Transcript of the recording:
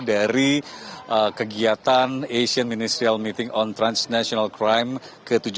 dari kegiatan asian ministerial meeting on transnational crime ke tujuh belas